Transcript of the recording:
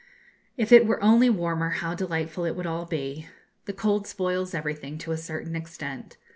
If it were only warmer, how delightful it would all be! The cold spoils everything to a certain extent.